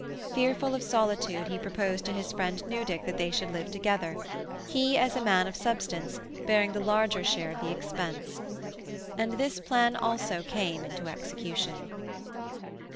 Fearful of solitude, he proposed to his friend Newdick that they should live together, he, as a man of substance, bearing the larger share of the expense. And this plan also came into execution.